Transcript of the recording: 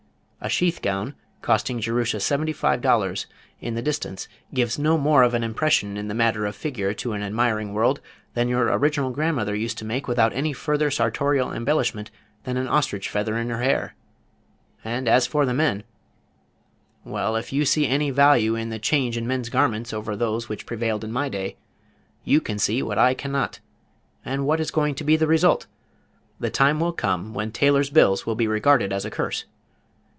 A sheath gown, costing Jerusha seventy five dollars, in the distance, gives no more of an impression in the matter of figure to an admiring world than your original grandmother used to make without any further sartorial embellishment than an ostrich feather in her hair, and as for the men well, if you see any value in the change in men's garments over those which prevailed in my day, you can see what I cannot, and what is going to be the result? The time will come when tailors' bills will be regarded as a curse.